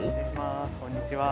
こんにちは。